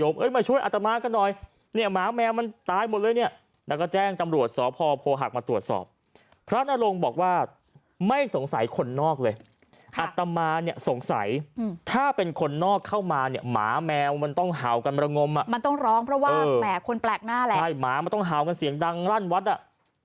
ไม่สงสัยคนนอกเลยอัตมาเนี่ยสงสัยถ้าเป็นคนนอกเข้ามาเนี่ยหมาแมวมันต้องห่าวกันมรงมอ่ะมันต้องร้องเพราะว่าแหม่คนแปลกหน้าแหละใช่หมามันต้องห่าวกันเสียงดังรั่นวัดอ่ะ